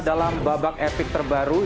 dalam babak epik terbaru